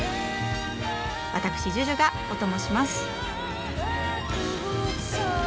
わたくしＪＵＪＵがオトモします。